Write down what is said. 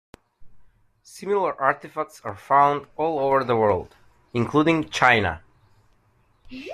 Similar artifacts are found all over the world, including China.